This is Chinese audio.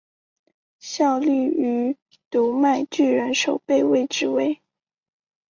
效力于读卖巨人守备位置为。